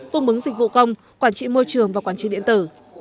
cung bứng dịch vụ công quản trị môi trường và quản trị điện tử